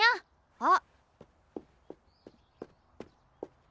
あっ。